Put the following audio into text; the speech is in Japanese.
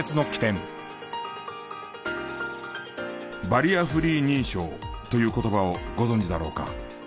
バリアフリー認証という言葉をご存じだろうか？